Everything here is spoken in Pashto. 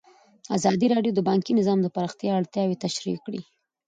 ازادي راډیو د بانکي نظام د پراختیا اړتیاوې تشریح کړي.